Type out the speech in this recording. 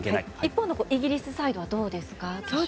一方、イギリスサイドはどうですか。